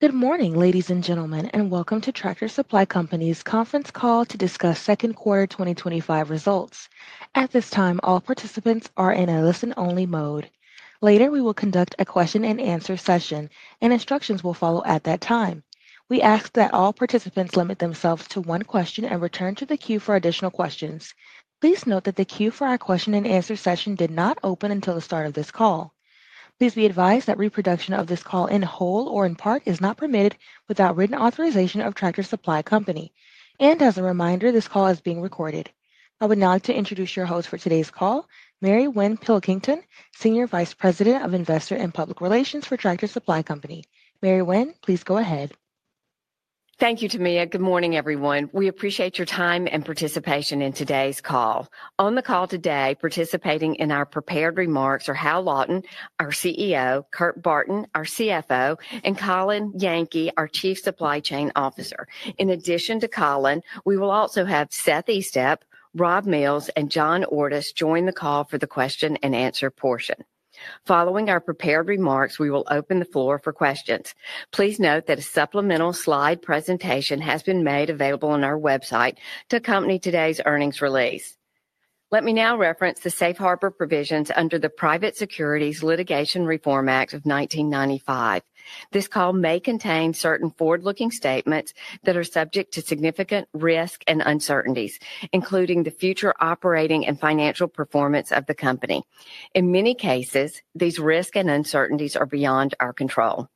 Good morning, ladies and gentlemen, and welcome to Tractor Supply Company's conference call to discuss second quarter 2025 results. At this time, all participants are in a listen-only mode. Later, we will conduct a question-and-answer session, and instructions will follow at that time. We ask that all participants limit themselves to one question and return to the queue for additional questions. Please note that the queue for our question-and-answer session did not open until the start of this call. Please be advised that reproduction of this call in whole or in part is not permitted without written authorization of Tractor Supply Company. As a reminder, this call is being recorded. I would now like to introduce your host for today's call, Mary Winn Pilkington, Senior Vice President of Investor and Public Relations for Tractor Supply Company. Mary Winn, please go ahead. Thank you, Tamia. Good morning, everyone. We appreciate your time and participation in today's call. On the call today, participating in our prepared remarks are Hal Lawton, our CEO, Kurt Barton, our CFO, and Colin Yankee, our Chief Supply Chain Officer. In addition to Colin, we will also have Seth Estep, Rob Mills, and John Ordus join the call for the question-and-answer portion. Following our prepared remarks, we will open the floor for questions. Please note that a supplemental slide presentation has been made available on our website to accompany today's earnings release. Let me now reference the safe harbor provisions under the Private Securities Litigation Reform Act of 1995. This call may contain certain forward-looking statements that are subject to significant risk and uncertainties, including the future operating and financial performance of the company. In many cases, these risk and uncertainties are beyond our control.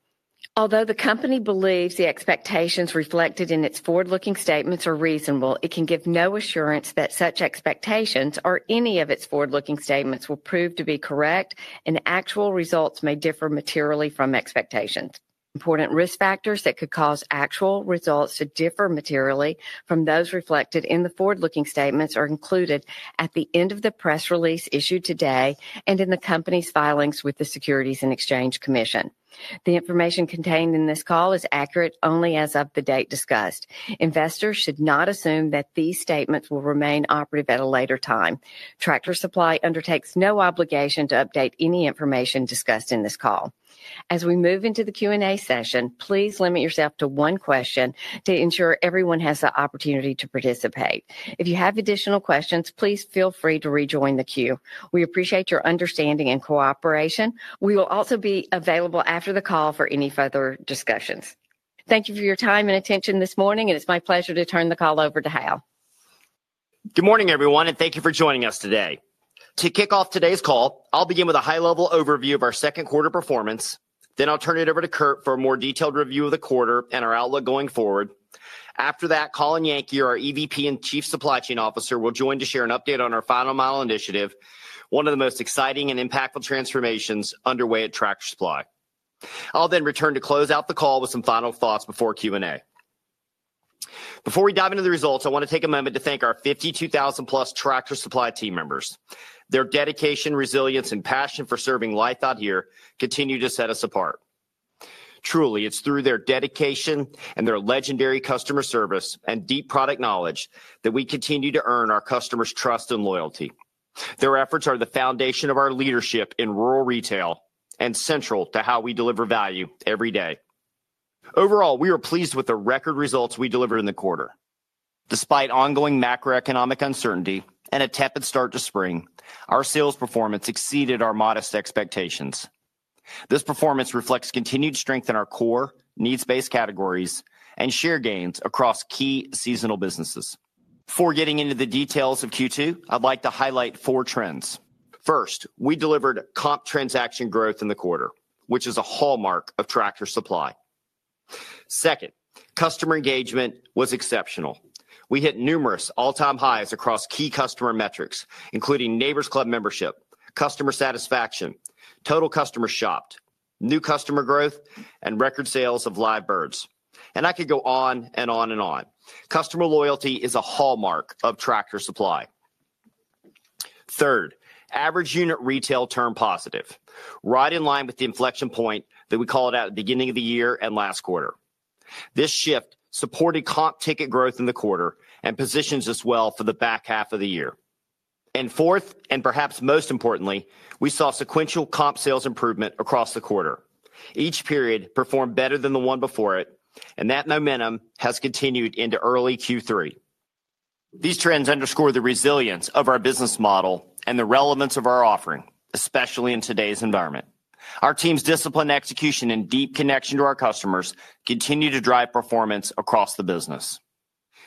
Although the company believes the expectations reflected in its forward-looking statements are reasonable, it can give no assurance that such expectations or any of its forward-looking statements will prove to be correct, and actual results may differ materially from expectations. Important risk factors that could cause actual results to differ materially from those reflected in the forward-looking statements are included at the end of the press release issued today and in the company's filings with the Securities and Exchange Commission. The information contained in this call is accurate only as of the date discussed. Investors should not assume that these statements will remain operative at a later time. Tractor Supply undertakes no obligation to update any information discussed in this call. As we move into the Q&A session, please limit yourself to one question to ensure everyone has the opportunity to participate. If you have additional questions, please feel free to rejoin the queue. We appreciate your understanding and cooperation. We will also be available after the call for any further discussions. Thank you for your time and attention this morning, and it's my pleasure to turn the call over to Hal. Good morning, everyone, and thank you for joining us today. To kick off today's call, I'll begin with a high-level overview of our second quarter performance. Then I'll turn it over to Curt for a more detailed review of the quarter and our outlook going forward. After that, Colin Yankee, our EVP and Chief Supply Chain Officer, will join to share an update on our Final Mile Initiative, one of the most exciting and impactful transformations underway at Tractor Supply. I'll then return to close out the call with some final thoughts before Q&A. Before we dive into the results, I want to take a moment to thank our 52,000+ Tractor Supply team members. Their dedication, resilience, and passion for serving out here continue to set us apart. Truly, it's through their dedication and their legendary customer service and deep product knowledge that we continue to earn our customers' trust and loyalty. Their efforts are the foundation of our leadership in rural retail and central to how we deliver value every day. Overall, we are pleased with the record results we delivered in the quarter. Despite ongoing macroeconomic uncertainty and a tepid start to spring, our sales performance exceeded our modest expectations. This performance reflects continued strength in our core, needs-based categories, and share gains across key seasonal businesses. Before getting into the details of Q2, I'd like to highlight four trends. First, we delivered comp transaction growth in the quarter, which is a hallmark of Tractor Supply. Second, customer engagement was exceptional. We hit numerous all-time highs across key customer metrics, including Neighbor’s Club membership, customer satisfaction, total customers shopped, new customer growth, and record sales of live birds. I could go on and on and on. Customer loyalty is a hallmark of Tractor Supply. Third, average unit retail turned positive, right in line with the inflection point that we called out at the beginning of the year and last quarter. This shift supported comp ticket growth in the quarter and positions us well for the back half of the year. Fourth, and perhaps most importantly, we saw sequential comp sales improvement across the quarter. Each period performed better than the one before it, and that momentum has continued into early Q3. These trends underscore the resilience of our business model and the relevance of our offering, especially in today's environment. Our team's disciplined execution and deep connection to our customers continue to drive performance across the business.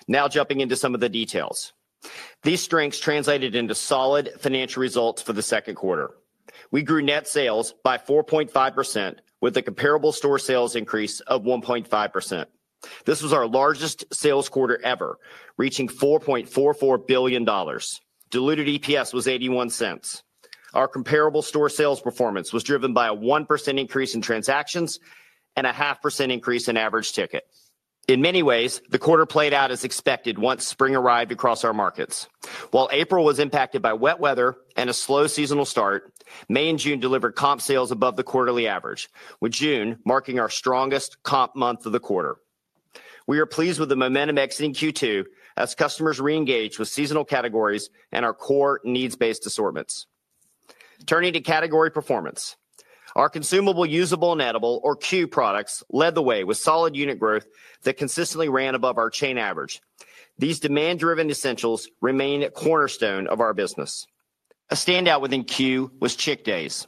Now jumping into some of the details. These strengths translated into solid financial results for the second quarter. We grew net sales by 4.5% with a comparable store sales increase of 1.5%. This was our largest sales quarter ever, reaching $4.44 billion. Diluted EPS was $0.81. Our comparable store sales performance was driven by a 1% increase in transactions and a 0.5% increase in average ticket. In many ways, the quarter played out as expected once spring arrived across our markets. While April was impacted by wet weather and a slow seasonal start, May and June delivered comp sales above the quarterly average, with June marking our strongest comp month of the quarter. We are pleased with the momentum exiting Q2 as customers re-engage with seasonal categories and our core needs-based assortments. Turning to category performance, our consumable, usable, and edible, or CUE, products led the way with solid unit growth that consistently ran above our chain average. These demand-driven essentials remain a cornerstone of our business. A standout within CUE was Chick Days.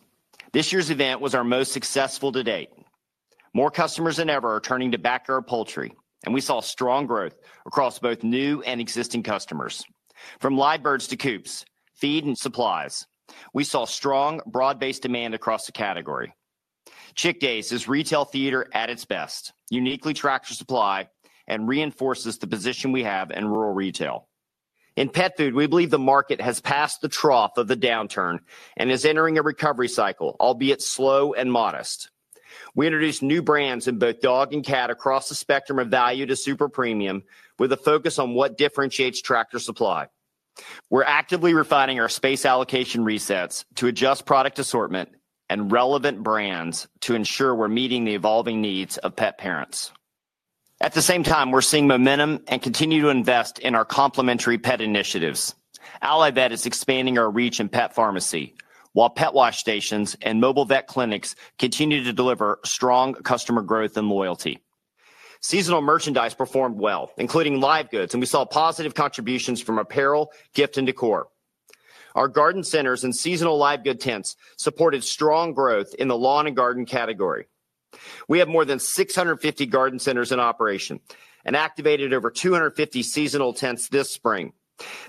This year's event was our most successful to date. More customers than ever are turning to backyard poultry, and we saw strong growth across both new and existing customers. From live birds to coops, feed, and supplies, we saw strong, broad-based demand across the category. Chick Days is retail theater at its best, uniquely Tractor Supply, and reinforces the position we have in rural retail. In pet food, we believe the market has passed the trough of the downturn and is entering a recovery cycle, albeit slow and modest. We introduced new brands in both dog and cat across the spectrum of value to super premium, with a focus on what differentiates Tractor Supply. We're actively refining our space allocation resets to adjust product assortment and relevant brands to ensure we're meeting the evolving needs of pet parents. At the same time, we're seeing momentum and continue to invest in our complementary pet initiatives. Allivet is expanding our reach in pet pharmacy, while pet wash stations and mobile vet clinics continue to deliver strong customer growth and loyalty. Seasonal merchandise performed well, including live goods, and we saw positive contributions from apparel, gift, and decor. Our garden centers and seasonal live good tents supported strong growth in the lawn and garden category. We have more than 650 garden centers in operation and activated over 250 seasonal tents this spring.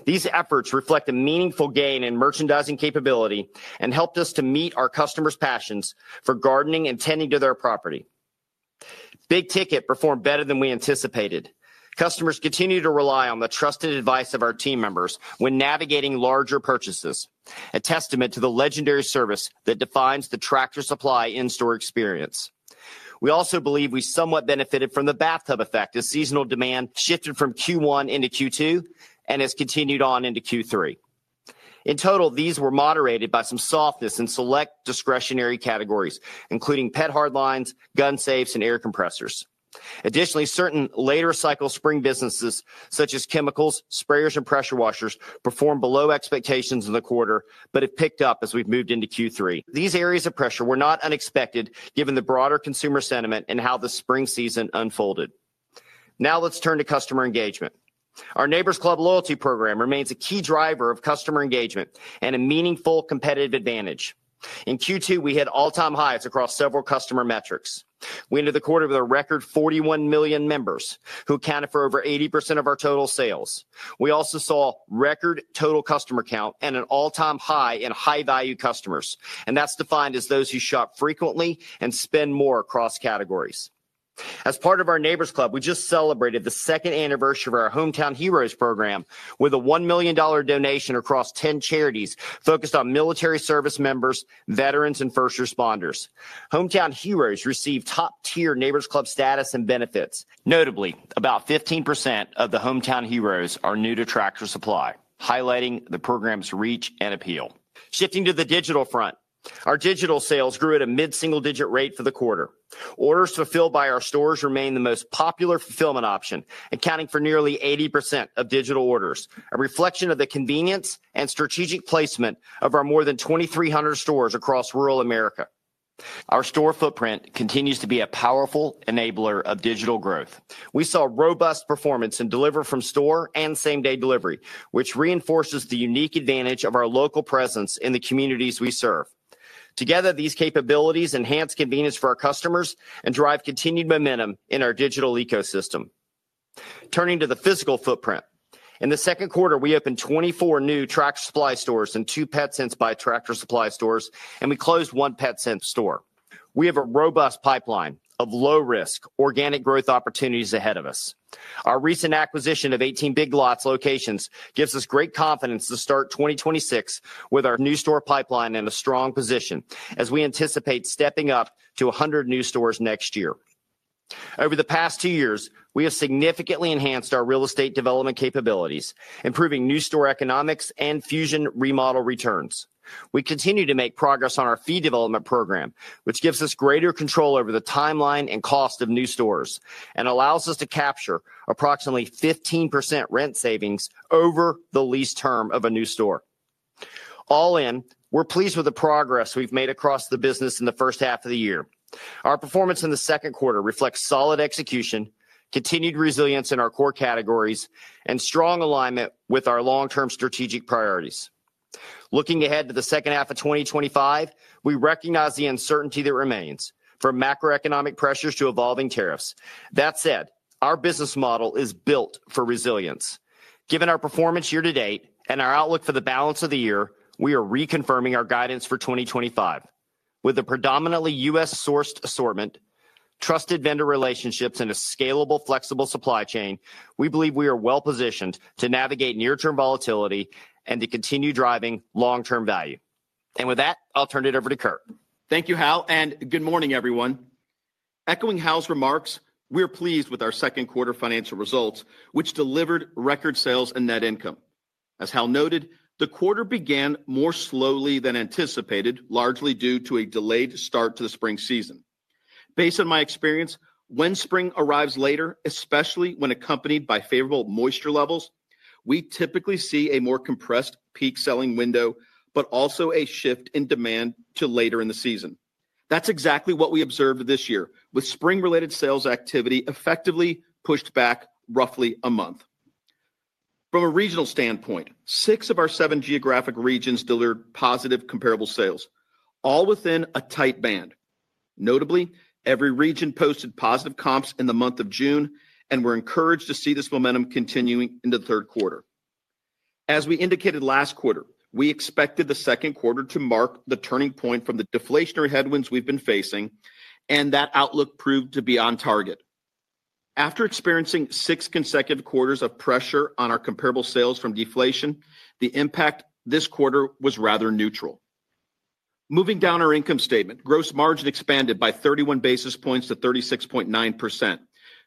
These efforts reflect a meaningful gain in merchandising capability and helped us to meet our customers' passions for gardening and tending to their property. Big Ticket performed better than we anticipated. Customers continue to rely on the trusted advice of our team members when navigating larger purchases, a testament to the legendary service that defines the Tractor Supply in-store experience. We also believe we somewhat benefited from the Bathtub Effect as seasonal demand shifted from Q1 into Q2 and has continued on into Q3. In total, these were moderated by some softness in select discretionary categories, including pet hard lines, gun safes, and air compressors. Additionally, certain later-cycle spring businesses such as chemicals, sprayers, and pressure washers performed below expectations in the quarter, but have picked up as we've moved into Q3. These areas of pressure were not unexpected given the broader consumer sentiment and how the spring season unfolded. Now let's turn to customer engagement. Our Neighbor’s Club loyalty program remains a key driver of customer engagement and a meaningful competitive advantage. In Q2, we hit all-time highs across several customer metrics. We ended the quarter with a record 41 million members who accounted for over 80% of our total sales. We also saw record total customer count and an all-time high in high-value customers, and that's defined as those who shop frequently and spend more across categories. As part of our Neighbor’s Club, we just celebrated the second anniversary of our Hometown Heroes program with a $1 million donation across 10 charities focused on military service members, veterans, and first responders. Hometown Heroes received top-tier Neighbor’s Club status and benefits. Notably, about 15% of the Hometown Heroes are new to Tractor Supply, highlighting the program's reach and appeal. Shifting to the digital front, our digital sales grew at a mid-single-digit rate for the quarter. Orders fulfilled by our stores remain the most popular fulfillment option, accounting for nearly 80% of digital orders, a reflection of the convenience and strategic placement of our more than 2,300 stores across rural America. Our store footprint continues to be a powerful enabler of digital growth. We saw robust performance in delivery from store and same-day delivery, which reinforces the unique advantage of our local presence in the communities we serve. Together, these capabilities enhance convenience for our customers and drive continued momentum in our digital ecosystem. Turning to the physical footprint, in the second quarter, we opened 24 new Tractor Supply stores and two Petsense by Tractor Supply stores, and we closed one Petsense store. We have a robust pipeline of low-risk organic growth opportunities ahead of us. Our recent acquisition of 18 Big Lots locations gives us great confidence to start 2026 with our new store pipeline in a strong position as we anticipate stepping up to 100 new stores next year. Over the past two years, we have significantly enhanced our real estate development capabilities, improving new store economics and Infusion Remodel returns. We continue to make progress on our fee development program, which gives us greater control over the timeline and cost of new stores and allows us to capture approximately 15% rent savings over the lease term of a new store. All in, we're pleased with the progress we've made across the business in the first half of the year. Our performance in the second quarter reflects solid execution, continued resilience in our core categories, and strong alignment with our long-term strategic priorities. Looking ahead to the second half of 2025, we recognize the uncertainty that remains from macroeconomic pressures to evolving tariffs. That said, our business model is built for resilience. Given our performance year to date and our outlook for the balance of the year, we are reconfirming our guidance for 2025. With a predominantly U.S.-sourced assortment, trusted vendor relationships, and a scalable, flexible supply chain, we believe we are well-positioned to navigate near-term volatility and to continue driving long-term value. With that, I'll turn it over to Kurt. Thank you, Hal, and good morning, everyone. Echoing Hal's remarks, we are pleased with our second quarter financial results, which delivered record sales and net income. As Hal noted, the quarter began more slowly than anticipated, largely due to a delayed start to the spring season. Based on my experience, when spring arrives later, especially when accompanied by favorable moisture levels, we typically see a more compressed peak selling window, but also a shift in demand to later in the season. That's exactly what we observed this year, with spring-related sales activity effectively pushed back roughly a month. From a regional standpoint, six of our seven geographic regions delivered positive comparable sales, all within a tight band. Notably, every region posted positive comps in the month of June and were encouraged to see this momentum continuing into the third quarter. As we indicated last quarter, we expected the second quarter to mark the turning point from the deflationary headwinds we've been facing, and that outlook proved to be on target. After experiencing six consecutive quarters of pressure on our comparable sales from deflation, the impact this quarter was rather neutral. Moving down our income statement, gross margin expanded by 31 basis points to 36.9%,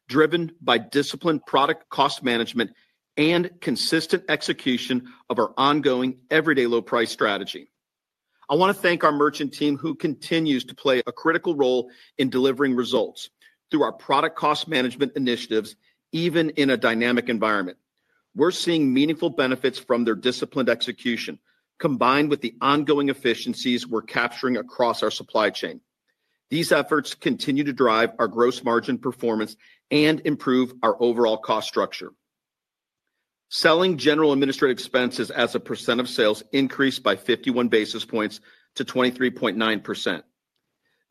driven by disciplined product cost management and consistent execution of our ongoing everyday low-price strategy. I want to thank our merchant team who continues to play a critical role in delivering results through our product cost management initiatives, even in a dynamic environment. We're seeing meaningful benefits from their disciplined execution, combined with the ongoing efficiencies we're capturing across our supply chain. These efforts continue to drive our gross margin performance and improve our overall cost structure. Selling, general, and administrative expenses as a percent of sales increased by 51 basis points to 23.9%.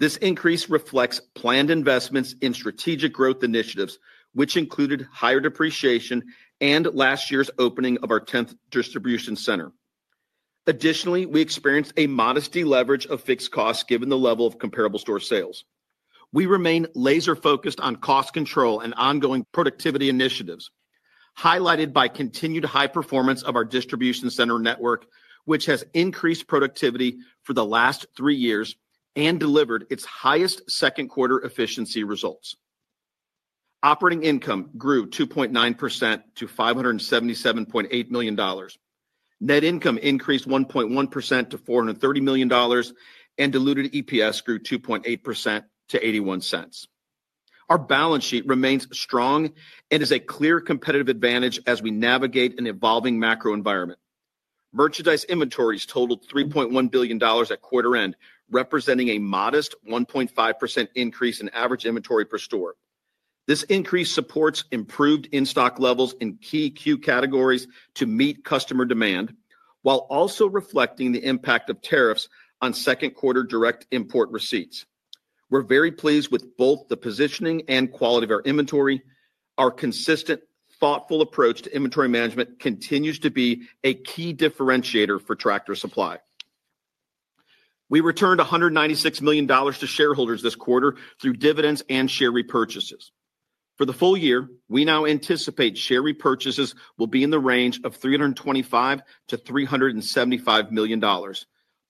This increase reflects planned investments in strategic growth initiatives, which included higher depreciation and last year's opening of our 10th distribution center. Additionally, we experienced a modest deleverage of fixed costs given the level of comparable store sales. We remain laser-focused on cost control and ongoing productivity initiatives, highlighted by continued high performance of our distribution center network, which has increased productivity for the last three years and delivered its highest second quarter efficiency results. Operating income grew 2.9% to $577.8 million. Net income increased 1.1% to $430 million, and diluted EPS grew 2.8% to $0.81. Our balance sheet remains strong and is a clear competitive advantage as we navigate an evolving macro environment. Merchandise inventories totaled $3.1 billion at quarter end, representing a modest 1.5% increase in average inventory per store. This increase supports improved in-stock levels in key CUE categories to meet customer demand, while also reflecting the impact of tariffs on second quarter direct import receipts. We're very pleased with both the positioning and quality of our inventory. Our consistent, thoughtful approach to inventory management continues to be a key differentiator for Tractor Supply. We returned $196 million to shareholders this quarter through dividends and share repurchases. For the full year, we now anticipate share repurchases will be in the range of $325 million-$375 million,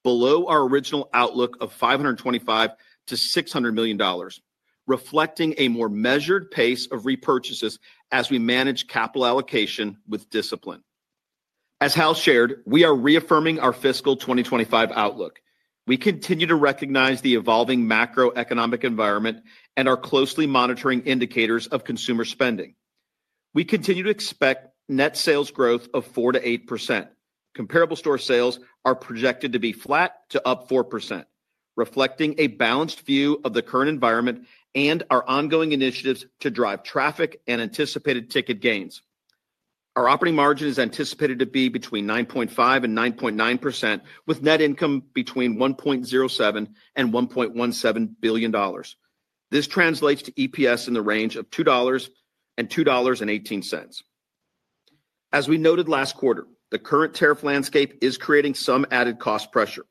below our original outlook of $525 million-$600 million, reflecting a more measured pace of repurchases as we manage capital allocation with discipline. As Hal shared, we are reaffirming our fiscal 2025 outlook. We continue to recognize the evolving macroeconomic environment and are closely monitoring indicators of consumer spending. We continue to expect net sales growth of 4%-8%. Comparable store sales are projected to be flat to up 4%, reflecting a balanced view of the current environment and our ongoing initiatives to drive traffic and anticipated ticket gains. Our operating margin is anticipated to be between 9.5%-9.9%, with net income between $1.07 billion-$1.17 billion. This translates to EPS in the range of $2-$2.18. As we noted last quarter, the current tariff landscape is creating some added cost pressure.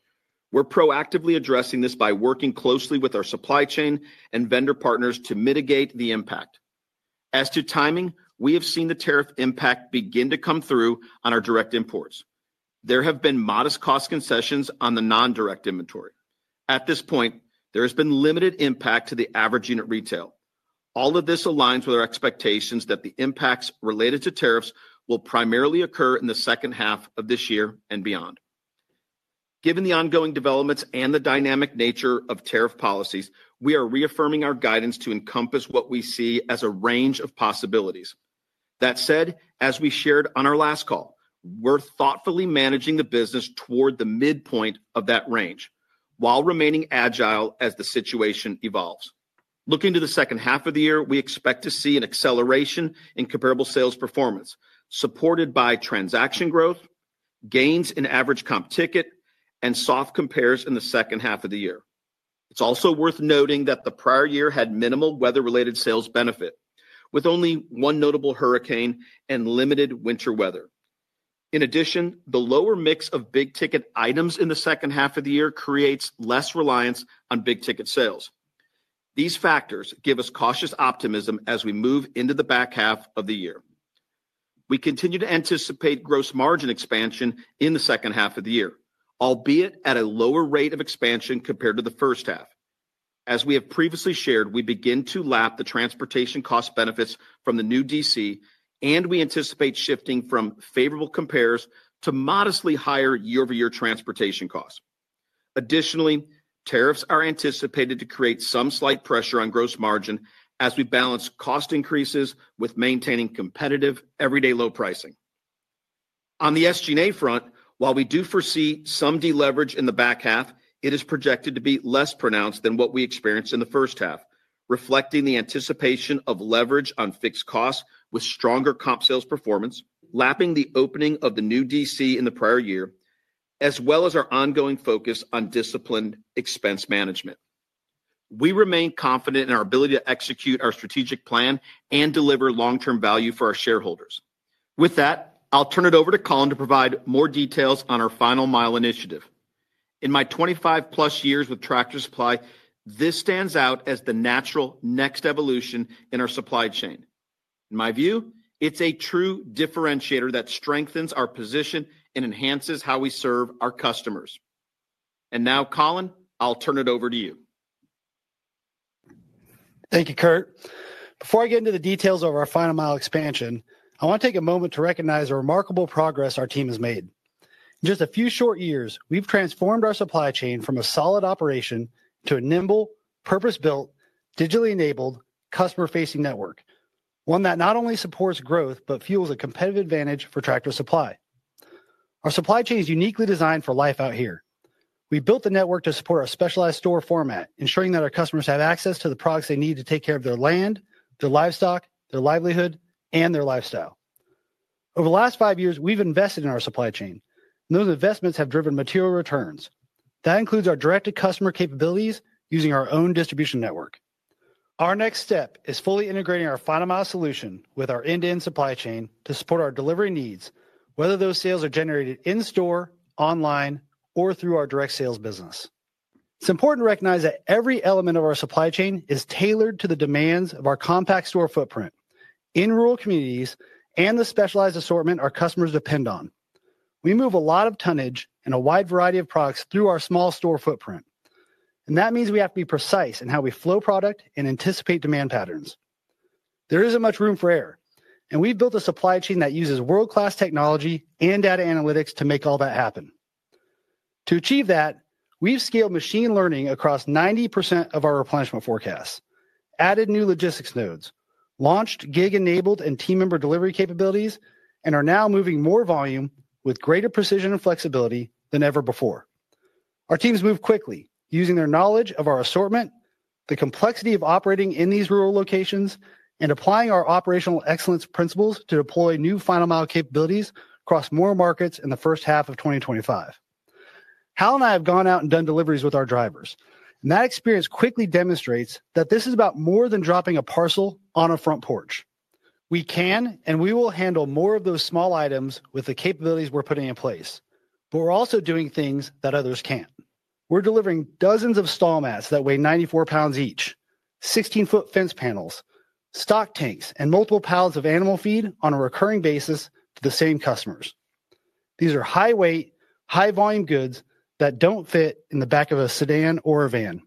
We're proactively addressing this by working closely with our supply chain and vendor partners to mitigate the impact. As to timing, we have seen the tariff impact begin to come through on our direct imports. There have been modest cost concessions on the non-direct inventory. At this point, there has been limited impact to the average unit retail. All of this aligns with our expectations that the impacts related to tariffs will primarily occur in the second half of this year and beyond. Given the ongoing developments and the dynamic nature of tariff policies, we are reaffirming our guidance to encompass what we see as a range of possibilities. That said, as we shared on our last call, we're thoughtfully managing the business toward the midpoint of that range, while remaining agile as the situation evolves. Looking to the second half of the year, we expect to see an acceleration in comparable sales performance, supported by transaction growth, gains in average comp ticket, and soft compares in the second half of the year. It's also worth noting that the prior year had minimal weather-related sales benefit, with only one notable hurricane and limited winter weather. In addition, the lower mix of big ticket items in the second half of the year creates less reliance on big ticket sales. These factors give us cautious optimism as we move into the back half of the year. We continue to anticipate gross margin expansion in the second half of the year, albeit at a lower rate of expansion compared to the first half. As we have previously shared, we begin to lap the transportation cost benefits from the new DC, and we anticipate shifting from favorable compares to modestly higher year-over-year transportation costs. Additionally, tariffs are anticipated to create some slight pressure on gross margin as we balance cost increases with maintaining competitive everyday low pricing. On the SG&A front, while we do foresee some deleverage in the back half, it is projected to be less pronounced than what we experienced in the first half, reflecting the anticipation of leverage on fixed costs with stronger comp sales performance, lapping the opening of the new DC in the prior year, as well as our ongoing focus on disciplined expense management. We remain confident in our ability to execute our strategic plan and deliver long-term value for our shareholders. With that, I'll turn it over to Colin to provide more details on our Final Mile Initiative. In my 25+ years with Tractor Supply, this stands out as the natural next evolution in our supply chain. In my view, it's a true differentiator that strengthens our position and enhances how we serve our customers. Now, Colin, I'll turn it over to you. Thank you, Kurt. Before I get into the details of our final mile expansion, I want to take a moment to recognize the remarkable progress our team has made. In just a few short years, we've transformed our supply chain from a solid operation to a nimble, purpose-built, digitally enabled, customer-facing network, one that not only supports growth but fuels a competitive advantage for Tractor Supply. Our supply chain is uniquely designed for Life Out Here. We built the network to support our specialized store format, ensuring that our customers have access to the products they need to take care of their land, their livestock, their livelihood, and their lifestyle. Over the last five years, we've invested in our supply chain, and those investments have driven material returns. That includes our direct-to-customer capabilities using our own distribution network. Our next step is fully integrating our final mile solution with our end-to-end supply chain to support our delivery needs, whether those sales are generated in-store, online, or through our direct sales business. It's important to recognize that every element of our supply chain is tailored to the demands of our compact store footprint, in rural communities, and the specialized assortment our customers depend on. We move a lot of tonnage and a wide variety of products through our small store footprint. That means we have to be precise in how we flow product and anticipate demand patterns. There isn't much room for error, and we've built a supply chain that uses world-class technology and data analytics to make all that happen. To achieve that, we've scaled machine learning across 90% of our replenishment forecasts, added new logistics nodes, launched gig-enabled and team member delivery capabilities, and are now moving more volume with greater precision and flexibility than ever before. Our teams move quickly, using their knowledge of our assortment, the complexity of operating in these rural locations, and applying our operational excellence principles to deploy new final mile capabilities across more markets in the first half of 2025. Hal and I have gone out and done deliveries with our drivers, and that experience quickly demonstrates that this is about more than dropping a parcel on a front porch. We can, and we will handle more of those small items with the capabilities we're putting in place, but we're also doing things that others can't. We're delivering dozens of stall mats that weigh 94 lbs each, 16-foot fence panels, stock tanks, and multiple pallets of animal feed on a recurring basis to the same customers. These are high-weight, high-volume goods that don't fit in the back of a sedan or a van.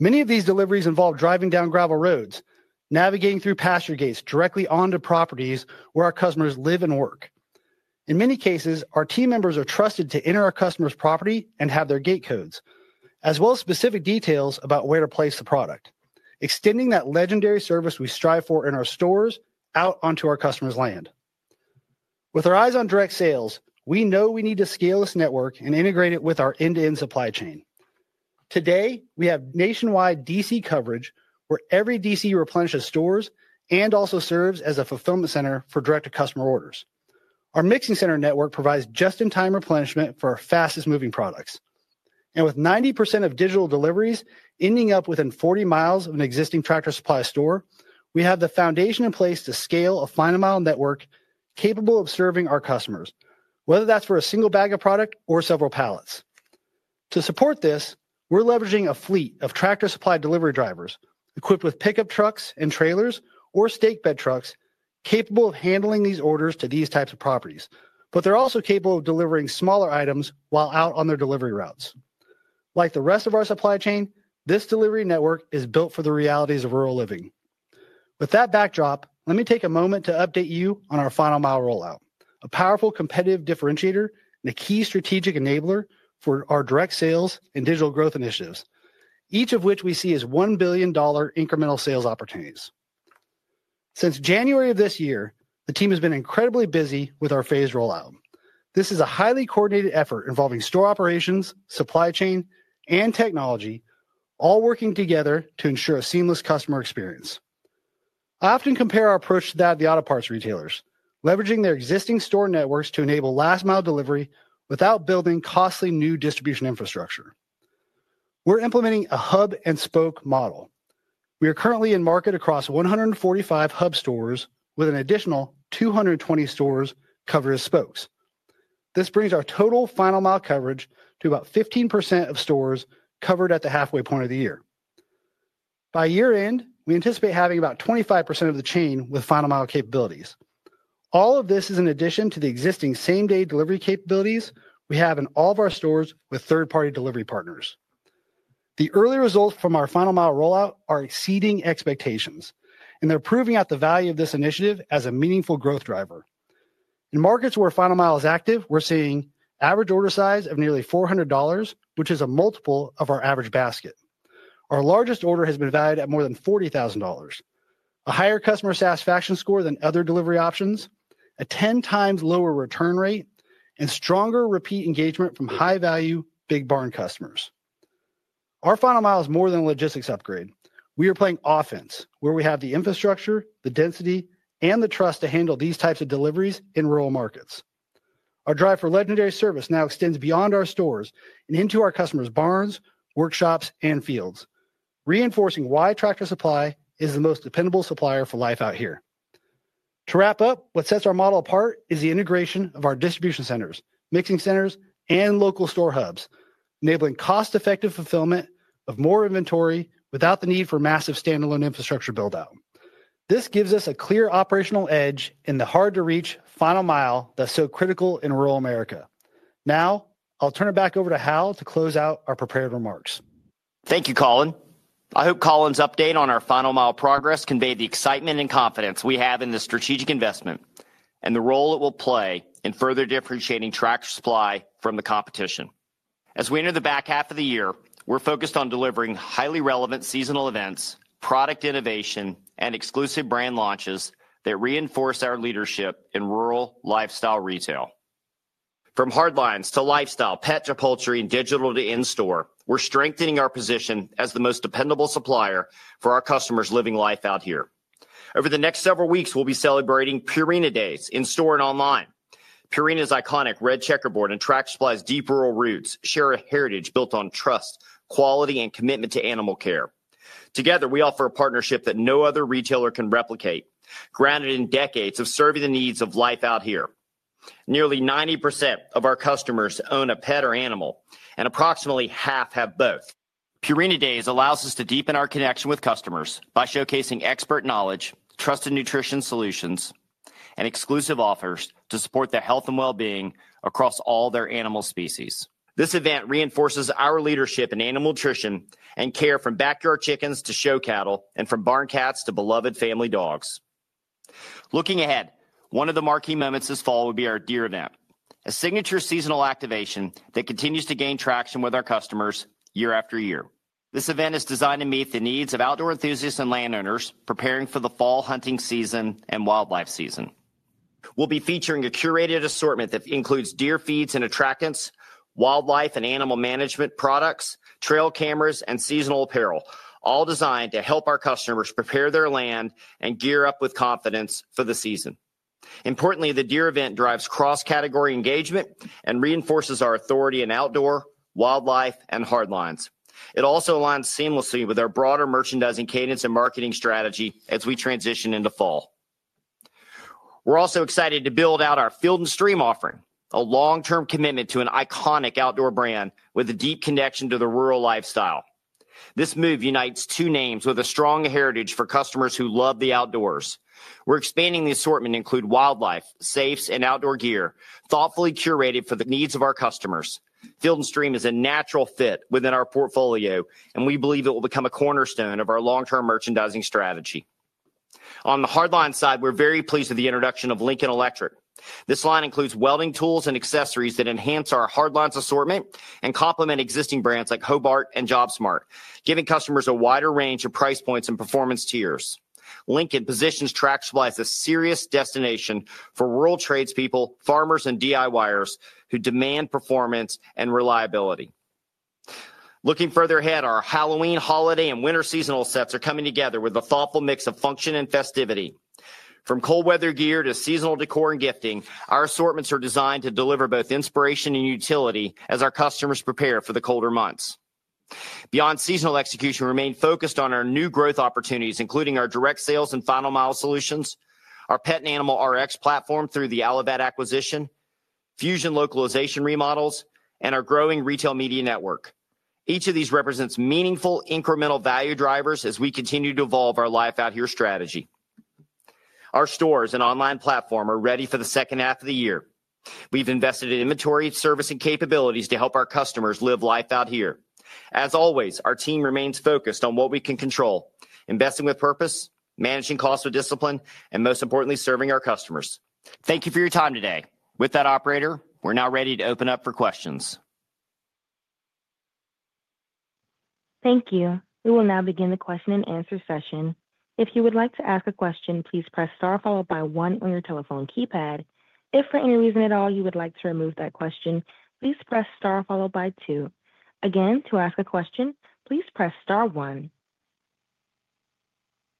Many of these deliveries involve driving down gravel roads, navigating through pasture gates directly onto properties where our customers live and work. In many cases, our team members are trusted to enter our customer's property and have their gate codes, as well as specific details about where to place the product, extending that legendary service we strive for in our stores out onto our customer's land. With our eyes on direct sales, we know we need to scale this network and integrate it with our end-to-end supply chain. Today, we have nationwide DC coverage where every DC replenishes stores and also serves as a fulfillment center for direct-to-customer orders. Our mixing center network provides just-in-time replenishment for our fastest-moving products. With 90% of digital deliveries ending up within 40 mi of an existing Tractor Supply store, we have the foundation in place to scale a final mile network capable of serving our customers, whether that's for a single bag of product or several pallets. To support this, we're leveraging a fleet of Tractor Supply delivery drivers equipped with pickup trucks and trailers or stake bed trucks capable of handling these orders to these types of properties, but they're also capable of delivering smaller items while out on their delivery routes. Like the rest of our supply chain, this delivery network is built for the realities of rural living. With that backdrop, let me take a moment to update you on our final mile rollout, a powerful competitive differentiator and a key strategic enabler for our direct sales and digital growth initiatives, each of which we see as $1 billion incremental sales opportunities. Since January of this year, the team has been incredibly busy with our phased rollout. This is a highly coordinated effort involving store operations, supply chain, and technology, all working together to ensure a seamless customer experience. I often compare our approach to that of the auto parts retailers, leveraging their existing store networks to enable last-mile delivery without building costly new distribution infrastructure. We're implementing a hub-and-spoke model. We are currently in market across 145 hub stores with an additional 220 stores covered as spokes. This brings our total final mile coverage to about 15% of stores covered at the halfway point of the year. By year-end, we anticipate having about 25% of the chain with final mile capabilities. All of this is in addition to the existing same-day delivery capabilities we have in all of our stores with third-party delivery partners. The early results from our final mile rollout are exceeding expectations, and they're proving out the value of this initiative as a meaningful growth driver. In markets where final mile is active, we're seeing average order size of nearly $400, which is a multiple of our average basket. Our largest order has been valued at more than $40,000. A higher customer satisfaction score than other delivery options, a 10x lower return rate, and stronger repeat engagement from high-value, Big Barn Customers. Our final mile is more than a logistics upgrade. We are playing offense, where we have the infrastructure, the density, and the trust to handle these types of deliveries in rural markets. Our drive for legendary service now extends beyond our stores and into our customers' barns, workshops, and fields, reinforcing why Tractor Supply is the most dependable supplier for Life Out Here. To wrap up, what sets our model apart is the integration of our distribution centers, mixing centers, and local store hubs, enabling cost-effective fulfillment of more inventory without the need for massive standalone infrastructure buildout. This gives us a clear operational edge in the hard-to-reach final mile that's so critical in rural America. Now, I'll turn it back over to Hal to close out our prepared remarks. Thank you, Colin. I hope Colin's update on our final mile progress conveyed the excitement and confidence we have in the strategic investment and the role it will play in further differentiating Tractor Supply from the competition. As we enter the back half of the year, we're focused on delivering highly relevant seasonal events, product innovation, and exclusive brand launches that reinforce our leadership in rural lifestyle retail. From hard lines to lifestyle, pet, poultry, and digital to in-store, we're strengthening our position as the most dependable supplier for our customers living Life Out Here. Over the next several weeks, we'll be celebrating Purina Days in-store and online. Purina's iconic red checkerboard and Tractor Supply's deep rural roots share a heritage built on trust, quality, and commitment to animal care. Together, we offer a partnership that no other retailer can replicate, grounded in decades of serving the needs of Life Out Here. Nearly 90% of our customers own a pet or animal, and approximately half have both. Purina Days allows us to deepen our connection with customers by showcasing expert knowledge, trusted nutrition solutions, and exclusive offers to support their health and well-being across all their animal species. This event reinforces our leadership in animal nutrition and care from backyard chickens to show cattle and from barn cats to beloved family dogs. Looking ahead, one of the marquee moments this fall will be our Deer Event, a signature seasonal activation that continues to gain traction with our customers year after year. This event is designed to meet the needs of outdoor enthusiasts and landowners preparing for the fall hunting season and wildlife season. We'll be featuring a curated assortment that includes deer feeds and attractants, wildlife and animal management products, trail cameras, and seasonal apparel, all designed to help our customers prepare their land and gear up with confidence for the season. Importantly, the Deer Event drives cross-category engagement and reinforces our authority in outdoor, wildlife, and hard lines. It also aligns seamlessly with our broader merchandising cadence and marketing strategy as we transition into fall. We're also excited to build out our Field & Stream offering, a long-term commitment to an iconic outdoor brand with a deep connection to the rural lifestyle. This move unites two names with a strong heritage for customers who love the outdoors. We're expanding the assortment to include wildlife, safes, and outdoor gear, thoughtfully curated for the needs of our customers. Field & Stream is a natural fit within our portfolio, and we believe it will become a cornerstone of our long-term merchandising strategy. On the hard line side, we're very pleased with the introduction of Lincoln Electric. This line includes welding tools and accessories that enhance our hard lines assortment and complement existing brands like Hobart and JobSmart, giving customers a wider range of price points and performance tiers. Lincoln positions Tractor Supply as a serious destination for rural tradespeople, farmers, and DIY-ers who demand performance and reliability. Looking further ahead, our Halloween, holiday, and winter seasonal sets are coming together with a thoughtful mix of function and festivity. From cold-weather gear to seasonal decor and gifting, our assortments are designed to deliver both inspiration and utility as our customers prepare for the colder months. Beyond seasonal execution, we remain focused on our new growth opportunities, including our direct sales and final mile solutions, our pet and animal RX platform through the Allivet acquisition, Infusion Remodel localization remodels, and our growing retail media network. Each of these represents meaningful incremental value drivers as we continue to evolve our Life Out Here strategy. Our stores and online platform are ready for the second half of the year. We've invested in inventory, service, and capabilities to help our customers live Life Out Here. As always, our team remains focused on what we can control, investing with purpose, managing costs with discipline, and most importantly, serving our customers. Thank you for your time today. With that, operator, we're now ready to open up for questions. Thank you. We will now begin the question-and-answer session. If you would like to ask a question, please press star followed by one on your telephone keypad. If for any reason at all you would like to remove that question, please press star followed by two. Again, to ask a question, please press star one.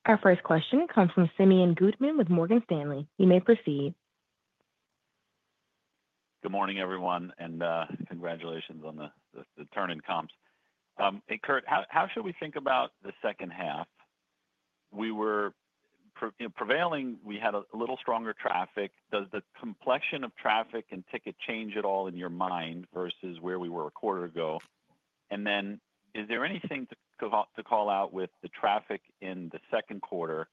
Our first question comes from Simeon Gutman with Morgan Stanley. You may proceed. Good morning, everyone, and congratulations on the turn in comps. Hey, Kurt, how should we think about the second half? We were prevailing, we had a little stronger traffic. Does the complexion of traffic and ticket change at all in your mind versus where we were a quarter ago? Is there anything to call out with the traffic in the second quarter?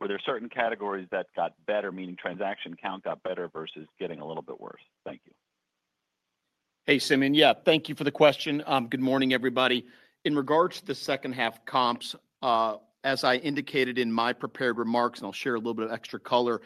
Were there certain categories that got better, meaning transaction count got better versus getting a little bit worse? Thank you. Hey, Simeon, yeah, thank you for the question. Good morning, everybody. In regards to the second half comps, as I indicated in my prepared remarks, and I'll share a little bit of extra color.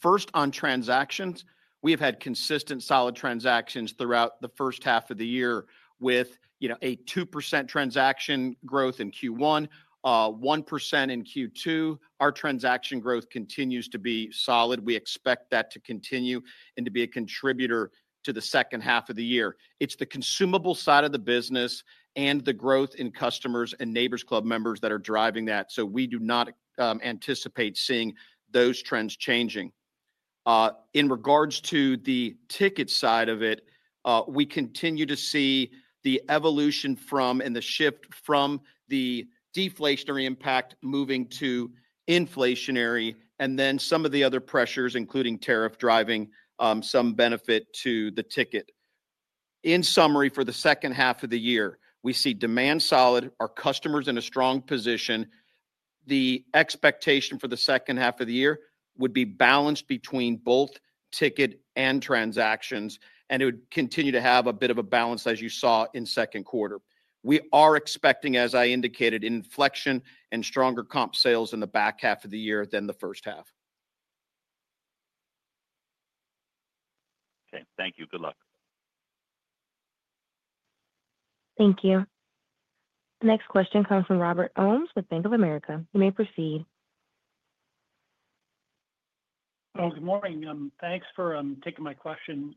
First, on transactions, we have had consistent solid transactions throughout the first half of the year with a 2% transaction growth in Q1, 1% in Q2. Our transaction growth continues to be solid. We expect that to continue and to be a contributor to the second half of the year. It's the consumable side of the business and the growth in customers and Neighbor’s Club members that are driving that, so we do not anticipate seeing those trends changing. In regards to the ticket side of it, we continue to see the evolution from and the shift from the deflationary impact moving to inflationary, and then some of the other pressures, including tariff driving, some benefit to the ticket. In summary, for the second half of the year, we see demand solid, our customers in a strong position. The expectation for the second half of the year would be balanced between both ticket and transactions, and it would continue to have a bit of a balance as you saw in second quarter. We are expecting, as I indicated, inflection and stronger comp sales in the back half of the year than the first half. Okay, thank you. Good luck. Thank you. The next question comes from Robert Ohmes with Bank of America. You may proceed. Good morning. Thanks for taking my question.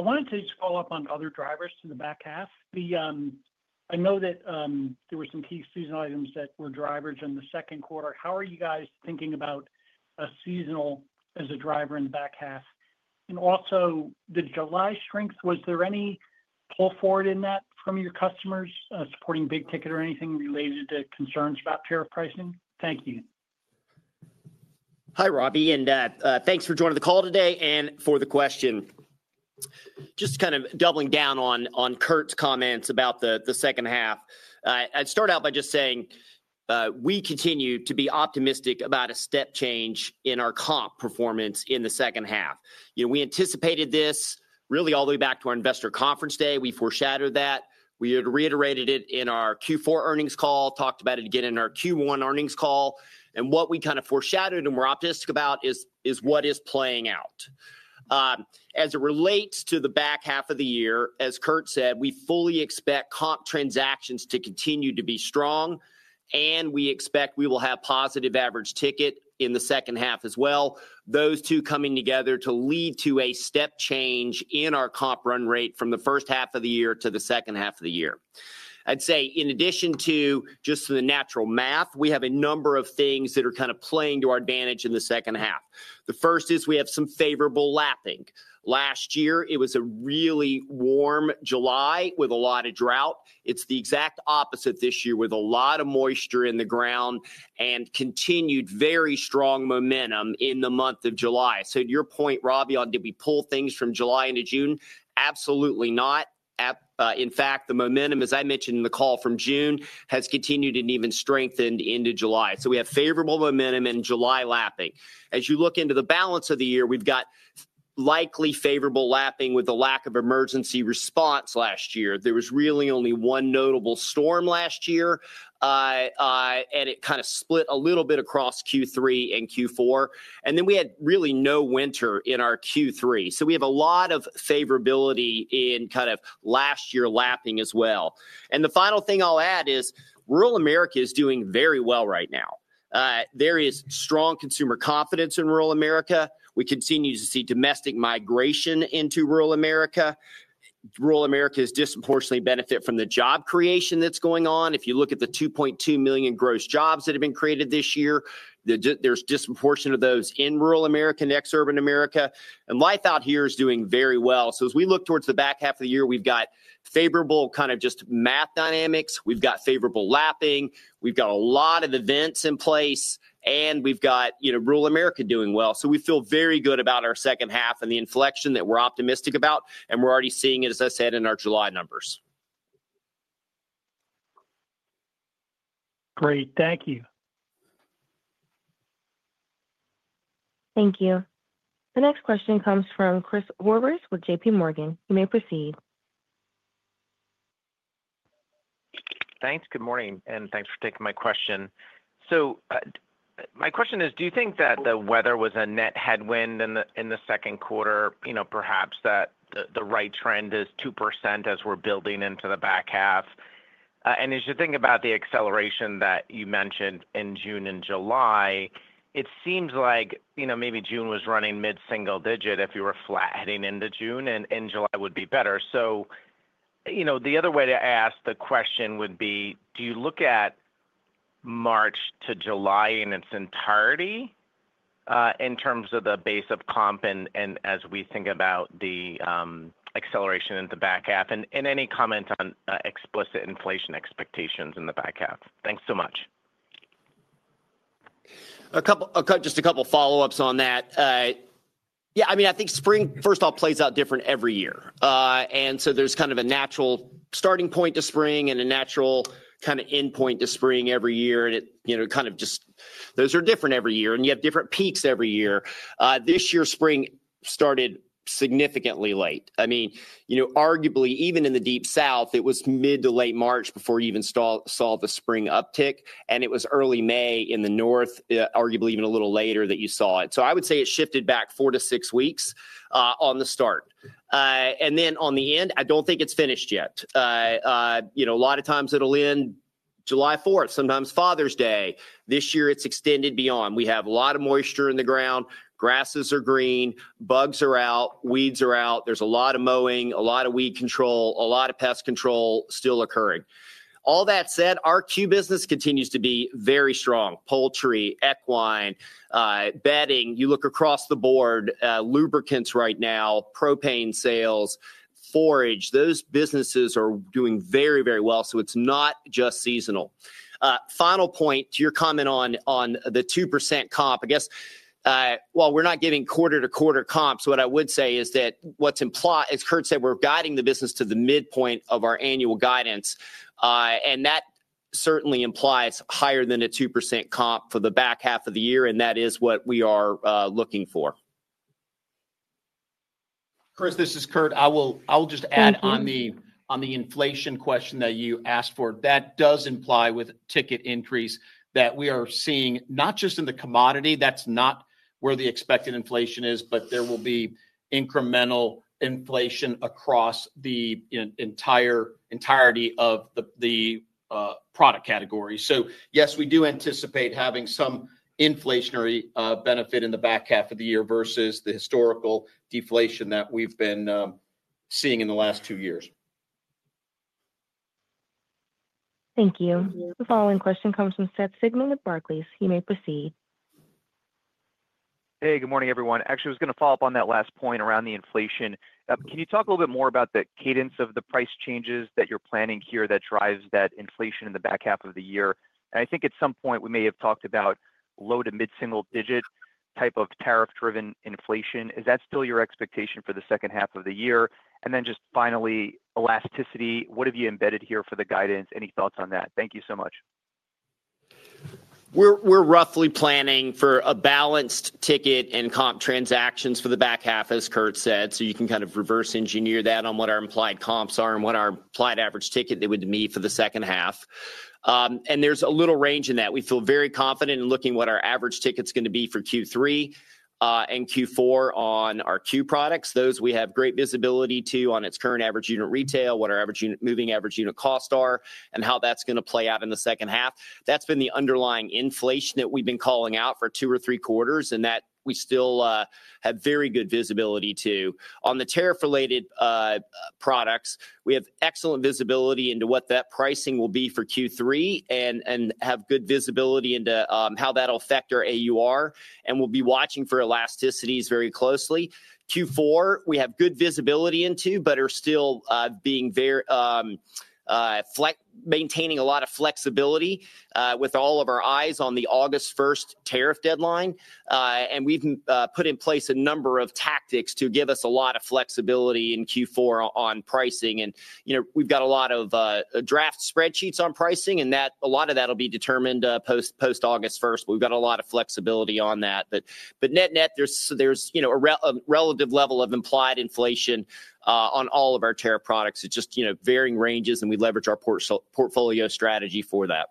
I wanted to just follow up on other drivers to the back half. I know that there were some key seasonal items that were drivers in the second quarter. How are you guys thinking about seasonal as a driver in the back half? Also, the July strength, was there any pull forward in that from your customers supporting big ticket or anything related to concerns about tariff pricing? Thank you. Hi, Robbie, and thanks for joining the call today and for the question. Just kind of doubling down on Kurt's comments about the second half, I'd start out by just saying. We continue to be optimistic about a step change in our comp performance in the second half. We anticipated this really all the way back to our investor conference day. We foreshadowed that. We had reiterated it in our Q4 earnings call, talked about it again in our Q1 earnings call. And what we kind of foreshadowed and were optimistic about is what is playing out. As it relates to the back half of the year, as Kurt said, we fully expect comp transactions to continue to be strong, and we expect we will have positive average ticket in the second half as well. Those two coming together to lead to a step change in our comp run rate from the first half of the year to the second half of the year. I'd say, in addition to just the natural math, we have a number of things that are kind of playing to our advantage in the second half. The first is we have some favorable lapping. Last year, it was a really warm July with a lot of drought. It's the exact opposite this year with a lot of moisture in the ground and continued very strong momentum in the month of July. To your point, Robbie, on did we pull things from July into June? Absolutely not. In fact, the momentum, as I mentioned in the call from June, has continued and even strengthened into July. We have favorable momentum and July lapping. As you look into the balance of the year, we've got likely favorable lapping with the lack of emergency response last year. There was really only one notable storm last year. It kind of split a little bit across Q3 and Q4. We had really no winter in our Q3. We have a lot of favorability in kind of last year lapping as well. The final thing I'll add is rural America is doing very well right now. There is strong consumer confidence in rural America. We continue to see domestic migration into rural America. Rural America is disproportionately benefiting from the job creation that's going on. If you look at the 2.2 million gross jobs that have been created this year, there's disproportionate of those in rural America and ex-urban America. Life Out Here is doing very well. As we look towards the back half of the year, we've got favorable kind of just math dynamics. We've got favorable lapping. We've got a lot of events in place, and we've got rural America doing well. We feel very good about our second half and the inflection that we're optimistic about, and we're already seeing it, as I said, in our July numbers. Great. Thank you. Thank you. The next question comes from Chris Horvers with JPMorgan. You may proceed. Thanks. Good morning, and thanks for taking my question. My question is, do you think that the weather was a net headwind in the second quarter? Perhaps that the right trend is 2% as we're building into the back half. As you think about the acceleration that you mentioned in June and July, it seems like maybe June was running mid-single digit if you were flat heading into June, and July would be better. The other way to ask the question would be, do you look at March to July in its entirety in terms of the base of comp, and as we think about the acceleration in the back half, and any comment on explicit inflation expectations in the back half? Thanks so much. Just a couple of follow-ups on that. Yeah, I mean, I think spring, first of all, plays out different every year. There is kind of a natural starting point to spring and a natural kind of end point to spring every year. It kind of just, those are different every year, and you have different peaks every year. This year, spring started significantly late. I mean, arguably, even in the Deep South, it was mid to late March before you even saw the spring uptick, and it was early May in the north, arguably even a little later that you saw it. I would say it shifted back four to six weeks on the start. On the end, I do not think it is finished yet. A lot of times it will end July 4th, sometimes Father's Day. This year, it has extended beyond. We have a lot of moisture in the ground. Grasses are green, bugs are out, weeds are out. There is a lot of mowing, a lot of weed control, a lot of pest control still occurring. All that said, our Q business continues to be very strong. Poultry, equine. Bedding, you look across the board, lubricants right now, propane sales, forage, those businesses are doing very, very well. It is not just seasonal. Final point to your comment on the 2% comp, I guess. While we are not giving quarter-to-quarter comps, what I would say is that what is implied, as Kurt said, we are guiding the business to the midpoint of our annual guidance. That certainly implies higher than a 2% comp for the back half of the year, and that is what we are looking for. Chris, this is Kurt. I will just add on the inflation question that you asked for. That does imply with ticket increase that we are seeing not just in the commodity. That is not where the expected inflation is, but there will be incremental inflation across the entirety of the product category. Yes, we do anticipate having some inflationary benefit in the back half of the year versus the historical deflation that we have been seeing in the last two years. Thank you. The following question comes from Seth Sigman with Barclays. You may proceed. Hey, good morning, everyone. Actually, I was going to follow up on that last point around the inflation. Can you talk a little bit more about the cadence of the price changes that you're planning here that drives that inflation in the back half of the year? I think at some point we may have talked about low to mid-single digit type of tariff-driven inflation. Is that still your expectation for the second half of the year? Just finally, elasticity, what have you embedded here for the guidance? Any thoughts on that? Thank you so much. We're roughly planning for a balanced ticket and comp transactions for the back half, as Kurt said. You can kind of reverse engineer that on what our implied comps are and what our implied average ticket would be for the second half. There's a little range in that. We feel very confident in looking at what our average ticket's going to be for Q3 and Q4 on our Q products. Those we have great visibility to on its current average unit retail, what our moving average unit costs are, and how that's going to play out in the second half. That's been the underlying inflation that we've been calling out for two or three quarters, and that we still have very good visibility to. On the tariff-related products, we have excellent visibility into what that pricing will be for Q3 and have good visibility into how that'll affect our AUR. We'll be watching for elasticities very closely. Q4, we have good visibility into, but are still maintaining a lot of flexibility with all of our eyes on the August 1st tariff deadline. We've put in place a number of tactics to give us a lot of flexibility in Q4 on pricing. We've got a lot of draft spreadsheets on pricing, and a lot of that will be determined post-August 1st. We've got a lot of flexibility on that. Net-net, there's a relative level of implied inflation on all of our tariff products. It's just varying ranges, and we leverage our portfolio strategy for that.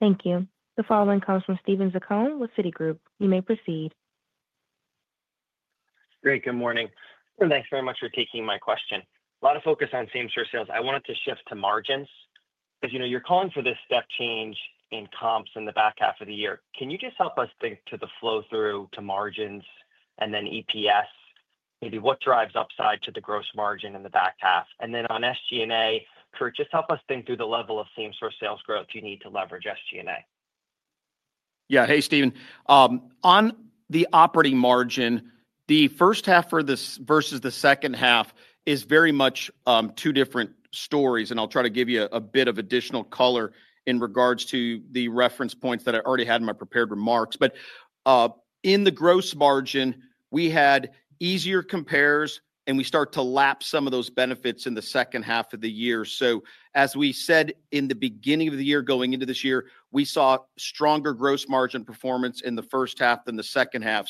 Thank you. The following comes from Steven Zaccone with Citigroup. You may proceed. Great. Good morning. Thanks very much for taking my question. A lot of focus on same-store sales. I wanted to shift to margins. Because you're calling for this step change in comps in the back half of the year. Can you just help us think to the flow-through to margins and then EPS? Maybe what drives upside to the gross margin in the back half? And then on SG&A, Kurt, just help us think through the level of same-store sales growth you need to leverage SG&A. Yeah. Hey, Steven. On the operating margin, the first half versus the second half is very much two different stories. I'll try to give you a bit of additional color in regards to the reference points that I already had in my prepared remarks. In the gross margin, we had easier compares, and we start to lapse some of those benefits in the second half of the year. As we said in the beginning of the year going into this year, we saw stronger gross margin performance in the first half than the second half.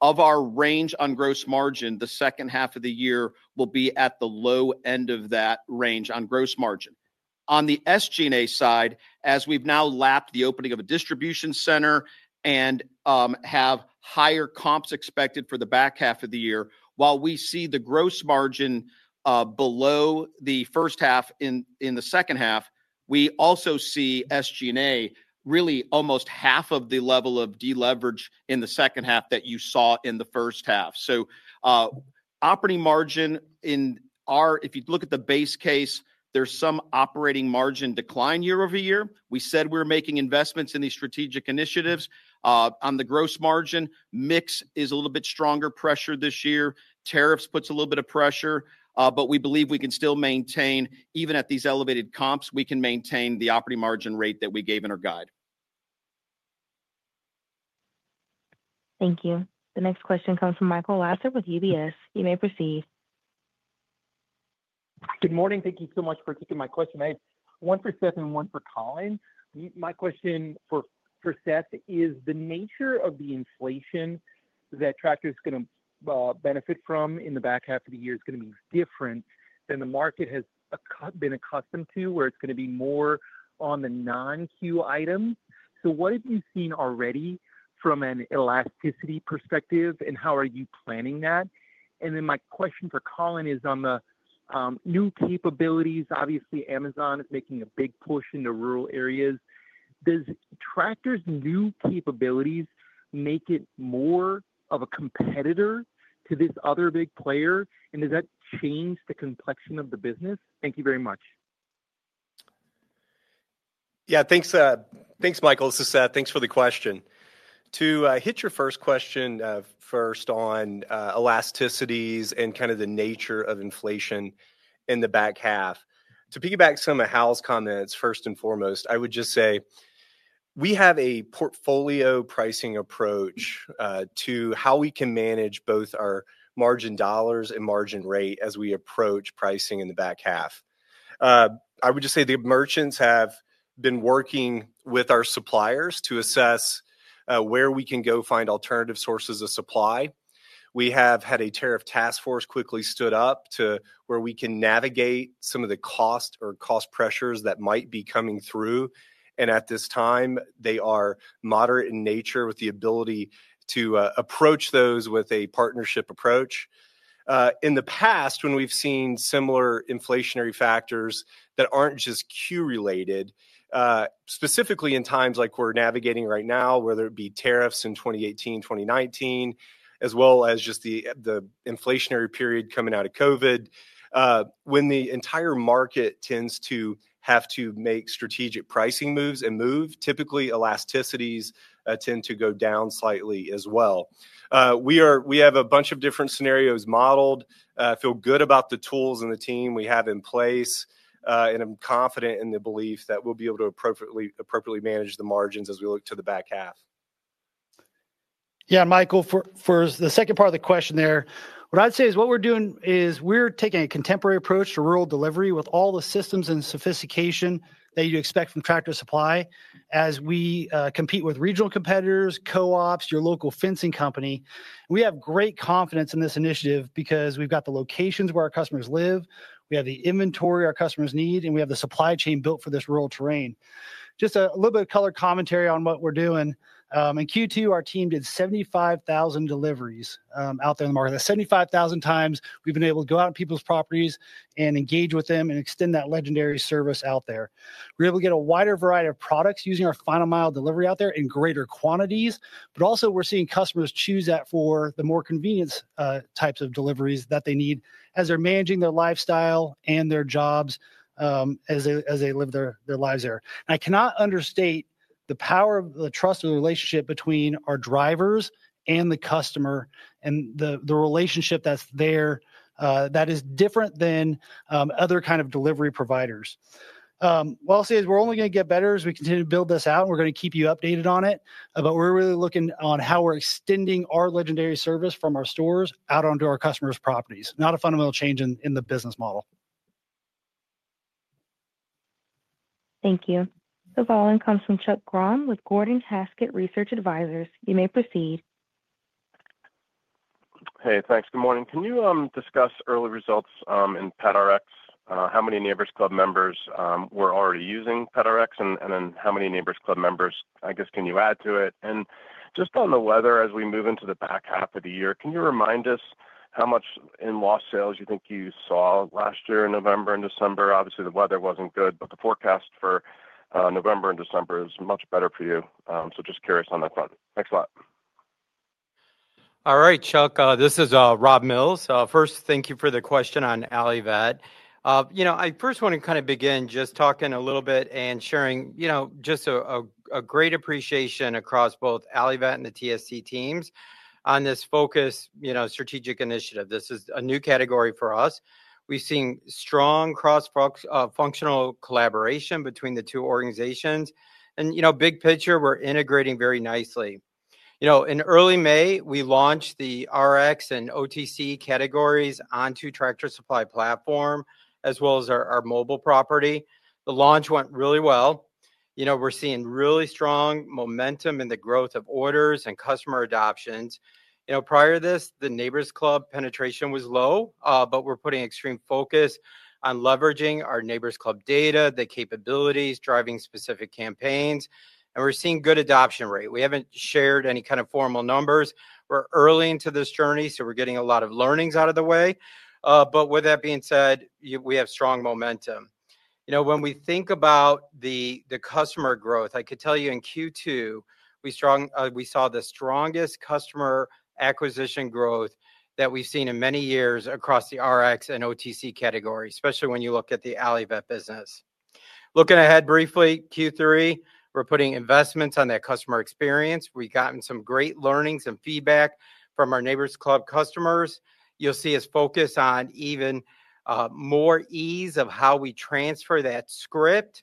Of our range on gross margin, the second half of the year will be at the low end of that range on gross margin. On the SG&A side, as we've now lapped the opening of a distribution center and have higher comps expected for the back half of the year, while we see the gross margin below the first half in the second half, we also see SG&A really almost half of the level of deleverage in the second half that you saw in the first half. Operating margin in our, if you look at the base case, there's some operating margin decline year over year. We said we're making investments in these strategic initiatives. On the gross margin, mix is a little bit stronger pressure this year. Tariffs puts a little bit of pressure, but we believe we can still maintain, even at these elevated comps, we can maintain the operating margin rate that we gave in our guide. Thank you. The next question comes from Michael Lasser with UBS. You may proceed. Good morning. Thank you so much for taking my question. One for Seth and one for Colin. My question for Seth is the nature of the inflation that Tractor Supply is going to benefit from in the back half of the year is going to be different than the market has been accustomed to, where it's going to be more on the non-CUE items. What have you seen already from an elasticity perspective, and how are you planning that? My question for Colin is on the new capabilities. Obviously, Amazon is making a big push in the rural areas. Does Tractor Supply's new capabilities make it more of a competitor to this other big player? Does that change the complexion of the business? Thank you very much. Yeah. Thanks, Michael. This is Seth. Thanks for the question. To hit your first question first on elasticities and kind of the nature of inflation in the back half, to piggyback some of Hal's comments, first and foremost, I would just say we have a portfolio pricing approach to how we can manage both our margin dollars and margin rate as we approach pricing in the back half. I would just say the merchants have been working with our suppliers to assess where we can go find alternative sources of supply. We have had a tariff task force quickly stood up to where we can navigate some of the cost or cost pressures that might be coming through. At this time, they are moderate in nature with the ability to approach those with a partnership approach. In the past, when we've seen similar inflationary factors that aren't just Q-related, specifically in times like we're navigating right now, whether it be tariffs in 2018, 2019, as well as just the inflationary period coming out of COVID, when the entire market tends to have to make strategic pricing moves and move, typically elasticities tend to go down slightly as well. We have a bunch of different scenarios modeled. I feel good about the tools and the team we have in place, and I'm confident in the belief that we'll be able to appropriately manage the margins as we look to the back half. Yeah, Michael, for the second part of the question there, what I'd say is what we're doing is we're taking a contemporary approach to rural delivery with all the systems and sophistication that you expect from Tractor Supply as we compete with regional competitors, co-ops, your local fencing company. We have great confidence in this initiative because we've got the locations where our customers live. We have the inventory our customers need, and we have the supply chain built for this rural terrain. Just a little bit of color commentary on what we're doing. In Q2, our team did 75,000 deliveries out there in the market. That's 75,000 times we've been able to go out on people's properties and engage with them and extend that legendary service out there. We're able to get a wider variety of products using our final mile delivery out there in greater quantities. We're also seeing customers choose that for the more convenient types of deliveries that they need as they're managing their lifestyle and their jobs as they live their lives there. I cannot understate the power of the trust and the relationship between our drivers and the customer and the relationship that's there that is different than other kinds of delivery providers. What I'll say is we're only going to get better as we continue to build this out, and we're going to keep you updated on it. We're really looking on how we're extending our legendary service from our stores out onto our customers' properties. Not a fundamental change in the business model. Thank you. The following comes from Chuck Grom with Gordon Haskett Research Advisors. You may proceed. Hey, thanks. Good morning. Can you discuss early results in PetRx? How many Neighbor's Club members were already using PetRx? And then how many Neighbor's Club members, I guess, can you add to it? Just on the weather, as we move into the back half of the year, can you remind us how much in lost sales you think you saw last year in November and December? Obviously, the weather was not good, but the forecast for November and December is much better for you. Just curious on that front. Thanks a lot. All right, Chuck, this is Rob Mills. First, thank you for the question on Allivet. I first want to kind of begin just talking a little bit and sharing just a great appreciation across both Allivet and the TSC teams on this focused strategic initiative. This is a new category for us. We've seen strong cross-functional collaboration between the two organizations. Big picture, we're integrating very nicely. In early May, we launched the Rx and OTC categories onto Tractor Supply Platform as well as our mobile property. The launch went really well. We're seeing really strong momentum in the growth of orders and customer adoptions. Prior to this, the Neighbor’s Club penetration was low, but we're putting extreme focus on leveraging our Neighbor’s Club data, the capabilities, driving specific campaigns. We're seeing good adoption rate. We haven't shared any kind of formal numbers. We're early into this journey, so we're getting a lot of learnings out of the way. With that being said, we have strong momentum. When we think about the customer growth, I could tell you in Q2, we saw the strongest customer acquisition growth that we've seen in many years across the Rx and OTC category, especially when you look at the Allivet business. Looking ahead briefly, Q3, we're putting investments on that customer experience. We've gotten some great learnings and feedback from our Neighbor’s Club customers. You'll see us focus on even more ease of how we transfer that script,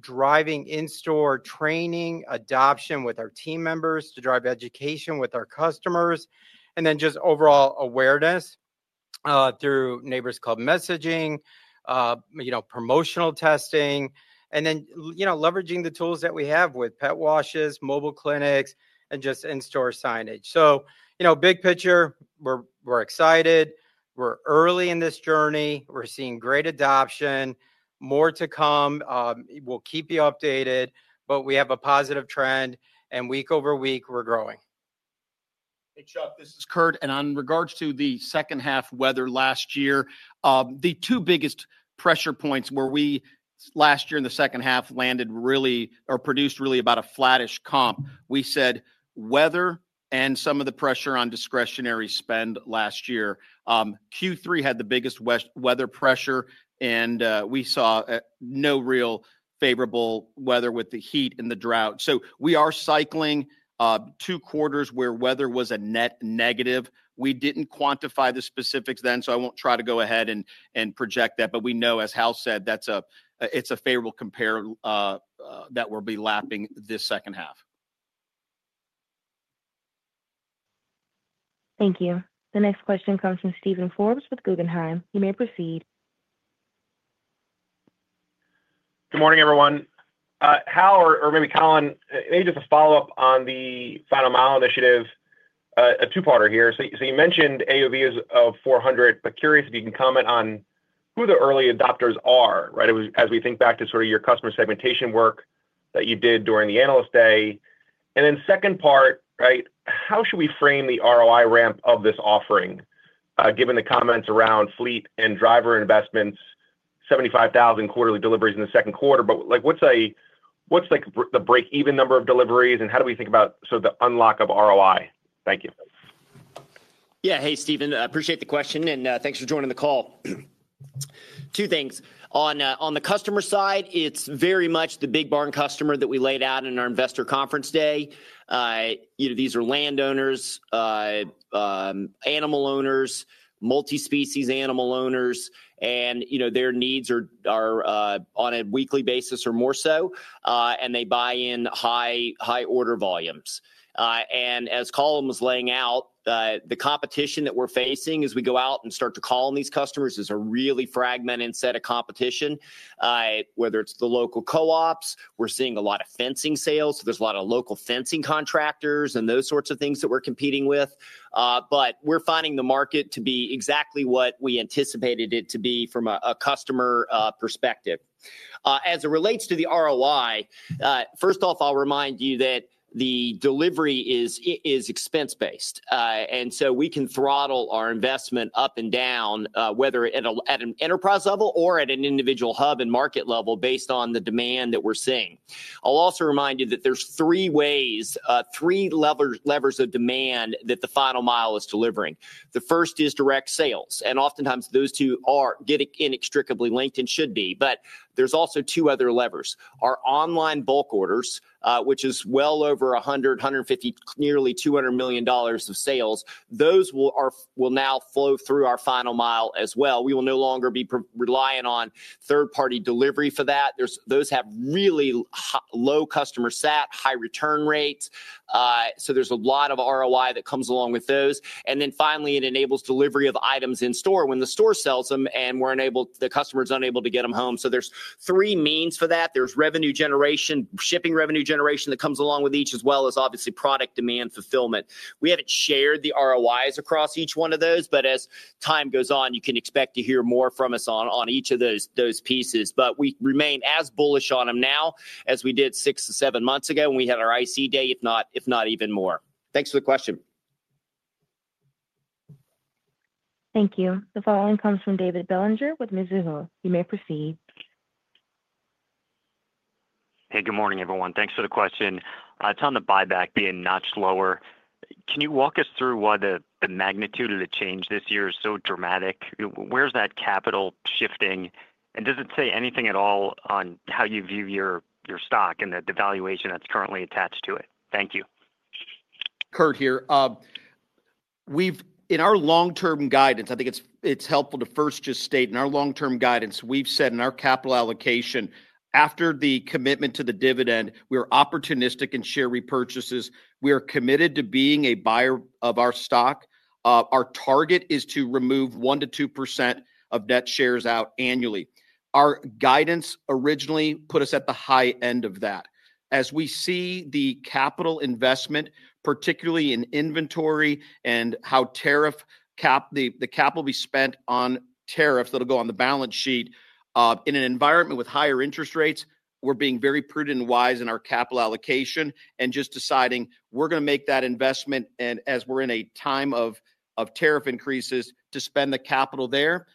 driving in-store training adoption with our team members to drive education with our customers, and then just overall awareness through Neighbor’s Club messaging, promotional testing, and then leveraging the tools that we have with pet washes, mobile clinics, and just in-store signage. Big picture, we're excited. We're early in this journey. We're seeing great adoption. More to come. We'll keep you updated, but we have a positive trend, and week over week, we're growing. Hey, Chuck, this is Kurt. In regards to the second half weather last year, the two biggest pressure points where we last year in the second half landed really or produced really about a flattish comp, we said weather and some of the pressure on discretionary spend last year. Q3 had the biggest weather pressure, and we saw no real favorable weather with the heat and the drought. We are cycling two quarters where weather was a net negative. We didn't quantify the specifics then, so I won't try to go ahead and project that. We know, as Hal said, it's a favorable compare. We'll be lapping this second half. Thank you. The next question comes from Steven Forbes with Guggenheim. You may proceed. Good morning, everyone. Hal or maybe Colin, maybe just a follow-up on the Final Mile Initiative. A two-parter here. You mentioned AOV is of $400, but curious if you can comment on who the early adopters are, right, as we think back to sort of your customer segmentation work that you did during the analyst day. The second part, right, how should we frame the ROI ramp of this offering given the comments around fleet and driver investments, 75,000 quarterly deliveries in the second quarter? What is the break-even number of deliveries, and how do we think about sort of the unlock of ROI? Thank you. Yeah. Hey, Steven. I appreciate the question, and thanks for joining the call. Two things. On the customer side, it's very much the Big Barn Customer that we laid out in our investor conference day. These are landowners, animal owners, multi-species animal owners, and their needs are on a weekly basis or more so, and they buy in high order volumes. As Colin was laying out, the competition that we're facing as we go out and start to call on these customers is a really fragmented set of competition. Whether it's the local co-ops, we're seeing a lot of fencing sales. There's a lot of local fencing contractors and those sorts of things that we're competing with. We're finding the market to be exactly what we anticipated it to be from a customer perspective. As it relates to the ROI, first off, I'll remind you that the delivery is expense-based. We can throttle our investment up and down, whether at an enterprise level or at an individual hub and market level based on the demand that we're seeing. I'll also remind you that there are three levers of demand that the final mile is delivering. The first is direct sales. Oftentimes, those two are inextricably linked and should be. There are also two other levers. Our online bulk orders, which is well over $100 million, $150 million, nearly $200 million of sales, those will now flow through our final mile as well. We will no longer be relying on third-party delivery for that. Those have really low customer sat, high return rates. There's a lot of ROI that comes along with those. Finally, it enables delivery of items in store when the store sells them and the customer is unable to get them home. There are three means for that. There's revenue generation, shipping revenue generation that comes along with each, as well as obviously product demand fulfillment. We haven't shared the ROIs across each one of those, but as time goes on, you can expect to hear more from us on each of those pieces. We remain as bullish on them now as we did six to seven months ago when we had our IC day, if not even more. Thanks for the question. Thank you. The following comes from David Bellinger with Mizuho. You may proceed. Hey, good morning, everyone. Thanks for the question. It's on the buyback being notched lower. Can you walk us through why the magnitude of the change this year is so dramatic? Where's that capital shifting? Does it say anything at all on how you view your stock and the valuation that's currently attached to it? Thank you. Kurt here. In our long-term guidance, I think it's helpful to first just state, in our long-term guidance, we've said in our capital allocation, after the commitment to the dividend, we are opportunistic in share repurchases. We are committed to being a buyer of our stock. Our target is to remove 1%-2% of net shares out annually. Our guidance originally put us at the high end of that. As we see the capital investment, particularly in inventory and how the capital will be spent on tariffs that will go on the balance sheet, in an environment with higher interest rates, we're being very prudent and wise in our capital allocation and just deciding we're going to make that investment. As we're in a time of tariff increases to spend the capital there,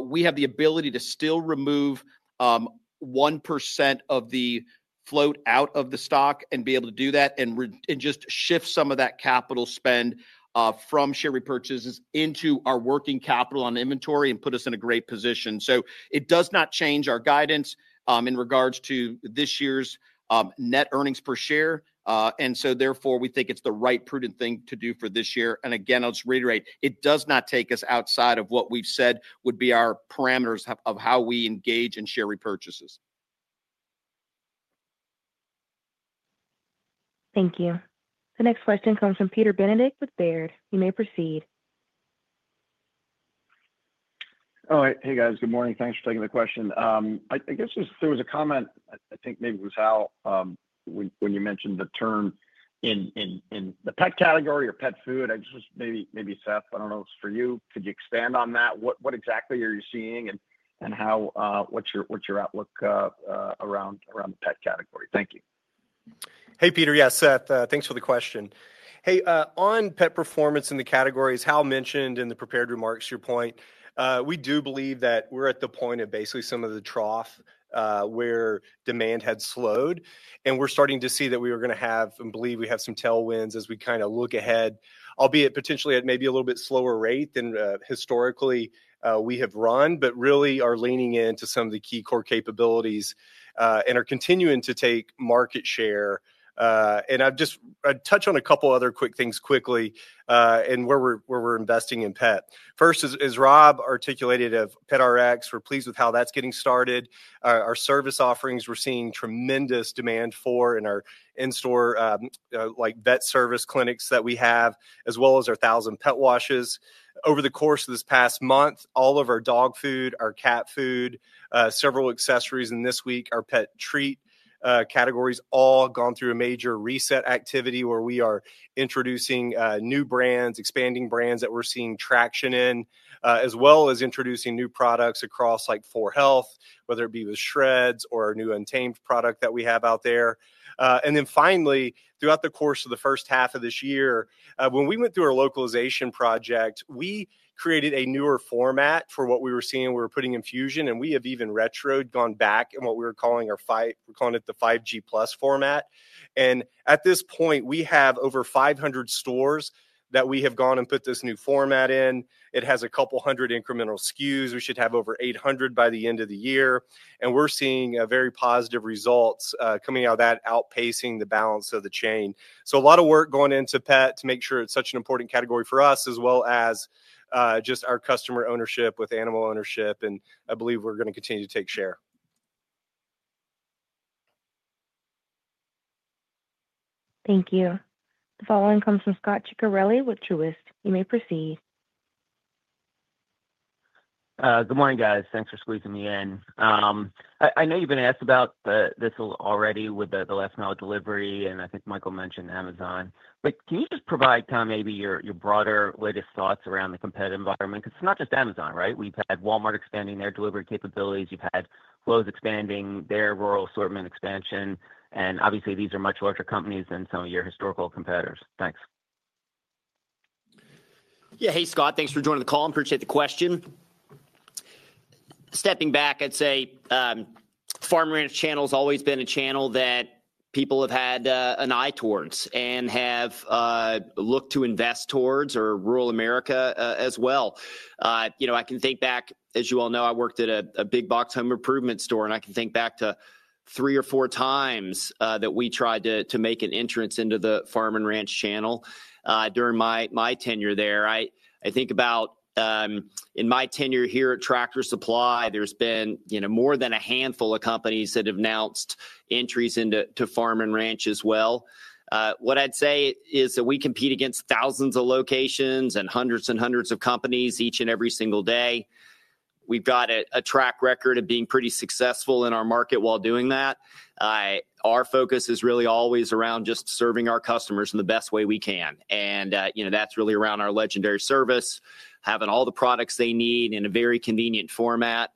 we have the ability to still remove 1% of the float out of the stock and be able to do that and just shift some of that capital spend from share repurchases into our working capital on inventory and put us in a great position. It does not change our guidance in regards to this year's net earnings per share. Therefore, we think it's the right prudent thing to do for this year. Again, I'll just reiterate, it does not take us outside of what we've said would be our parameters of how we engage in share repurchases. Thank you. The next question comes from Peter Benedict with Baird. You may proceed. All right. Hey, guys. Good morning. Thanks for taking the question. I guess there was a comment, I think maybe it was Hal, when you mentioned the term. In the pet category or pet food. Maybe Seth, I do not know if it is for you. Could you expand on that? What exactly are you seeing and what is your outlook around the pet category? Thank you. Hey, Peter. Yes, Seth. Thanks for the question. Hey, on pet performance in the categories Hal mentioned in the prepared remarks to your point, we do believe that we're at the point of basically some of the trough where demand had slowed. And we're starting to see that we were going to have, and believe we have, some tailwinds as we kind of look ahead, albeit potentially at maybe a little bit slower rate than historically we have run, but really are leaning into some of the key core capabilities and are continuing to take market share. I'll just touch on a couple of other quick things quickly and where we're investing in pet. First, as Rob articulated of PetRx, we're pleased with how that's getting started. Our service offerings, we're seeing tremendous demand for in our in-store vet service clinics that we have, as well as our 1,000 pet washes. Over the course of this past month, all of our dog food, our cat food, several accessories, and this week, our pet treat categories have all gone through a major reset activity where we are introducing new brands, expanding brands that we're seeing traction in, as well as introducing new products across like 4health, whether it be with Shreds or our new Untamed product that we have out there. Finally, throughout the course of the first half of this year, when we went through our localization project, we created a newer format for what we were seeing. We were putting in fusion, and we have even retro gone back in what we were calling our fight. We're calling it the 5G+ format. At this point, we have over 500 stores that we have gone and put this new format in. It has a couple hundred incremental SKUs. We should have over 800 by the end of the year. We're seeing very positive results coming out of that, outpacing the balance of the chain. A lot of work going into pet to make sure it's such an important category for us, as well as just our customer ownership with animal ownership. I believe we're going to continue to take share. Thank you. The following comes from Scot Ciccarelli with Truist. You may proceed. Good morning, guys. Thanks for squeezing me in. I know you've been asked about this already with the last mile delivery, and I think Michael mentioned Amazon. Can you just provide kind of maybe your broader latest thoughts around the competitive environment? It's not just Amazon, right? We've had Walmart expanding their delivery capabilities. You've had Lowe’s expanding their rural assortment expansion. Obviously, these are much larger companies than some of your historical competitors. Thanks. Yeah. Hey, Scott. Thanks for joining the call. Appreciate the question. Stepping back, I'd say Farm Ranch Channel has always been a channel that people have had an eye towards and have looked to invest towards or rural America as well. I can think back, as you all know, I worked at a big box home improvement store, and I can think back to three or four times that we tried to make an entrance into the Farm and Ranch Channel during my tenure there. I think about, in my tenure here at Tractor Supply, there's been more than a handful of companies that have announced entries into Farm and Ranch as well. What I'd say is that we compete against thousands of locations and hundreds and hundreds of companies each and every single day. We've got a track record of being pretty successful in our market while doing that. Our focus is really always around just serving our customers in the best way we can. That's really around our legendary service, having all the products they need in a very convenient format.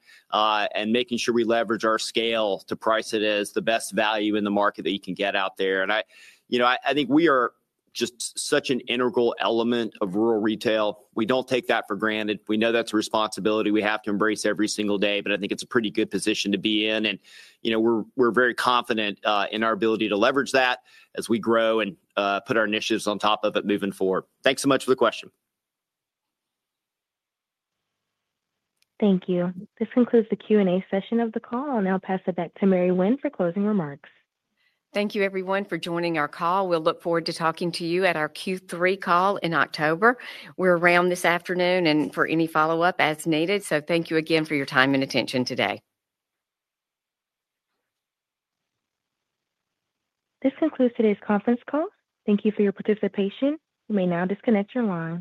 Making sure we leverage our scale to price it as the best value in the market that you can get out there. I think we are just such an integral element of rural retail. We don't take that for granted. We know that's a responsibility we have to embrace every single day, but I think it's a pretty good position to be in. We're very confident in our ability to leverage that as we grow and put our initiatives on top of it moving forward. Thanks so much for the question. Thank you. This concludes the Q&A session of the call. I'll now pass it back to Mary Winn for closing remarks. Thank you, everyone, for joining our call. We will look forward to talking to you at our Q3 call in October. We are around this afternoon and for any follow-up as needed. Thank you again for your time and attention today. This concludes today's conference call. Thank you for your participation. You may now disconnect your line.